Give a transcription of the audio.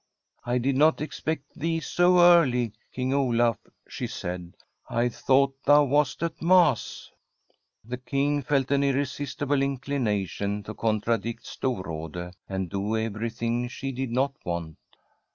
* I did not expect thee so early, King Olaf,* she said. ' I thought thou wast at Mass.' The King felt an irresistible inclination to con tradict Storrade, and do everything she did not want.